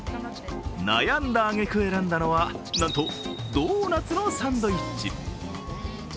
悩んだあげく選んだのはなんとドーナツのサンドイッチ。